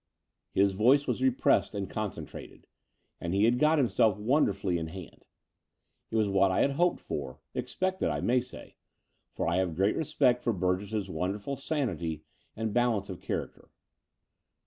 His voice was re pressed and concentrated; and he had got himself wonderfully in hand. It was what I had hoped for — expected, I may say — for I have a great respect for Burgess's wonderful sanity and balance of character.